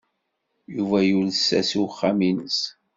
Yuba yules-as i uxxam-nnes.